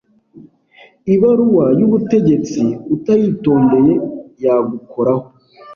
ibaruwa y’ubutegetsi utayitondeye yagukoraho.